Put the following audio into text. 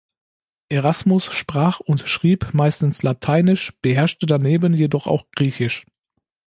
Erasmus sprach und schrieb meistens lateinisch, beherrschte daneben jedoch auch Griechisch.